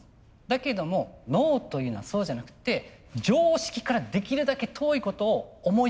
だけども脳というのはそうじゃなくて常識からできるだけ遠いことを思いつけるんです。